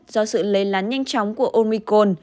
do sự lấy lán nhanh chóng của omicron